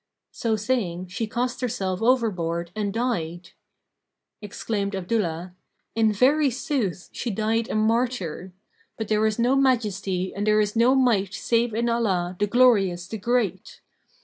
So saying, she cast herself overboard and died." Exclaimed Abdullah, "In very sooth she died a martyr[FN#544]! But there is no Majesty and there is no Might save in Allah, the Glorious, the Great!"